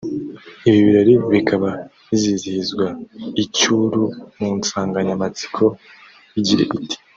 Ibi birori bikaba bizizihirizwa i Cyuru mu nsanganyamatsiko igira iti